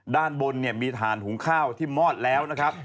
ด้านบนมีทานหุงข้าวที่มอดแล้ว